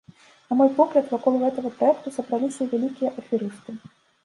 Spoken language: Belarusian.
На мой погляд, вакол гэтага праекту сабраліся вялікія аферысты.